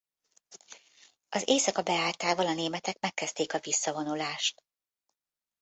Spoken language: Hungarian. Az éjszaka beálltával a németek megkezdték a visszavonulást.